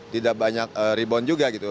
tidak banyak rebound juga gitu